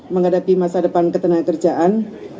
menghadapi masa depan ketenaga kerjaan